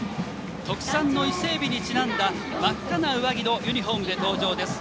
特産の伊勢えびにちなんだ真っ赤な上着のユニフォームで登場です。